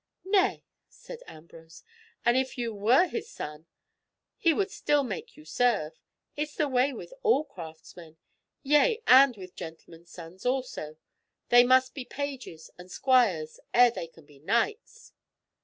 "Nay," said Ambrose, "an if you were his son, he would still make you serve. It's the way with all craftsmen—yea and with gentlemen's sons also. They must be pages and squires ere they can be knights."